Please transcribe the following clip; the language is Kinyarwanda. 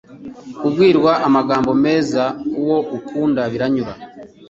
Kubwirwa amagambo meza uwo ukunda biramunyura